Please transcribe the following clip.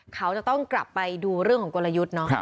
เขาจะต้องกลับไปดูเรื่องของกลยุทธ์เนาะ